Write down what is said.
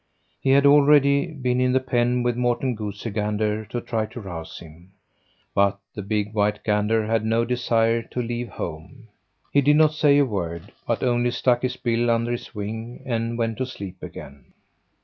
He had already been in the pen with Morten Goosey Gander to try to rouse him, but the big white gander had no desire to leave home. He did not say a word, but only stuck his bill under his wing and went to sleep again.